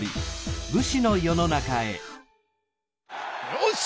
よし！